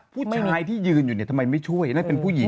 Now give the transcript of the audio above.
ผู้ชายที่ยืนอยู่ทำไมไม่ช่วยไม่ใจเป็นผู้หญิง